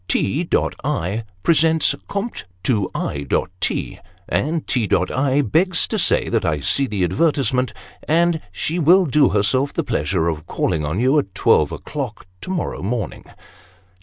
" T. I. presents compt. to I. T. and T. I. begs To say that i see the advertisement And she will Do Herself the pleasure of calling On you at 12 o'clock to morrow morning.